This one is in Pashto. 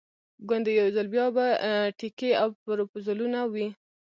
ګوندې یو ځل بیا به ټیکې او پروپوزلونه وي.